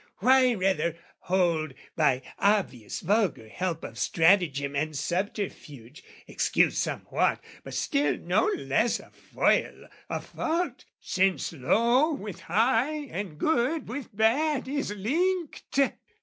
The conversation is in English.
"Why rather hold by obvious vulgar help "Of stratagem and subterfuge, excused "Somewhat, but still no less a foil, a fault, "Since low with high, and good with bad is linked?